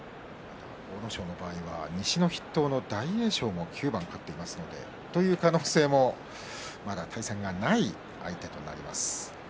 阿武咲の場合は西の筆頭の大栄翔も９番勝っていますのでという可能性もまだ対戦がない相手となります。